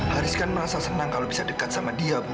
haris kan merasa senang kalau bisa dekat sama dia bu